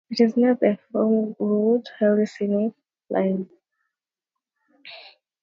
It is on the Fort William route of the highly scenic West Highland Line.